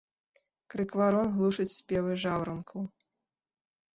Крык варон глушыць спевы жаўранкаў.